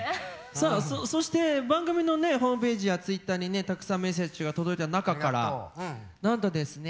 さあそして番組のねホームページやツイッターにねたくさんメッセージが届いた中からなんとですね